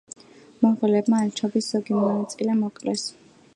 მონღოლებმა ელჩობის ზოგი მონაწილე მოკლეს.